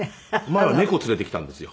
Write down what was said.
前は猫連れてきたんですよ。